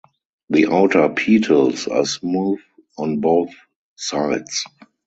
The outer petals are smooth on both sides.